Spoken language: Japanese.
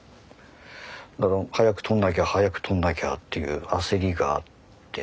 だから早く取んなきゃ早く取んなきゃっていう焦りがあって。